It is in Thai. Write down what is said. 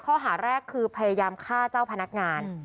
ข้อหาแรกคือพยายามฆ่าเจ้าพนักงาน